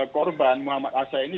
korban muhammad hasa ini